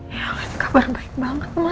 ya kan kabar baik banget ma